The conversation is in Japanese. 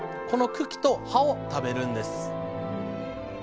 この茎と葉を食べるんです。